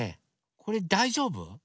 これだいじょうぶ？